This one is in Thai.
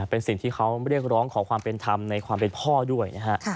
เป็นสิ่งที่เขาเรียกร้องขอความเป็นธรรมในความเป็นพ่อด้วยนะฮะ